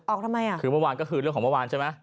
ทำไมอ่ะคือเมื่อวานก็คือเรื่องของเมื่อวานใช่ไหม